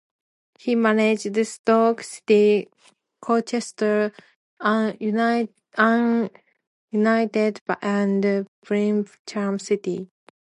He managed Stoke City, Colchester United and Birmingham City.